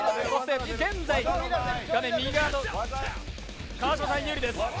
現在、画面右側の川島さん、有利です。